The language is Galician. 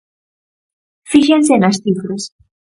Fíxense nas cifras.